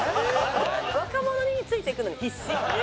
若者についていくのに必死。